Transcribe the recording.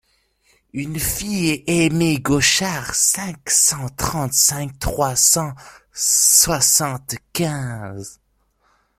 Une fille aymée Gauchard cinq cent trente-cinq trois cent soixante-quinze.